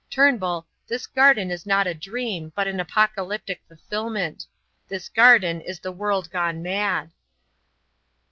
Turnbull, this garden is not a dream, but an apocalyptic fulfilment. This garden is the world gone mad."